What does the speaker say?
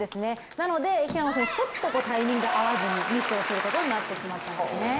なので平野選手、ちょっとタイミング合わずに、ミスをすることになってしまったんですね。